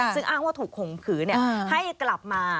ซึ่งอ้างว่าถูกข่มขืนให้กลับมา